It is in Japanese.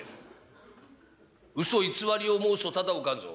嘘偽りを申すとただではおかんぞ。